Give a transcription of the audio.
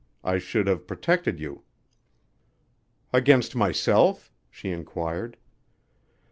I should have protected you." "Against myself?" she inquired.